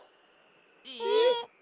えっ？